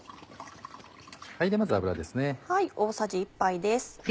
まず油です。